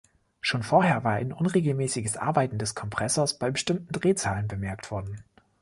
Schon vorher war ein unregelmäßiges Arbeiten des Kompressors bei bestimmten Drehzahlen bemerkt worden.